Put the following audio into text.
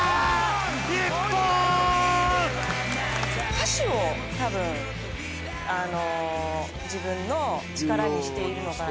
歌詞を多分あの自分の力にしているのかな